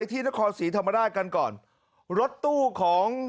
ที่นครศรีธรรมราชกันก่อนรถตู้ของ